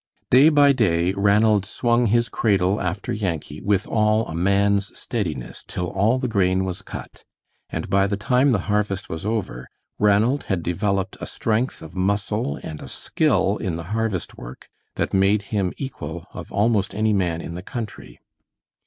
Day by day Ranald swung his cradle after Yankee with all a man's steadiness till all the grain was cut; and by the time the harvest was over, Ranald had developed a strength of muscle and a skill in the harvest work that made him equal of almost any man in the country.